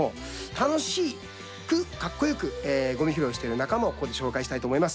楽しく格好よくごみ拾いしている仲間をここで紹介したいと思います。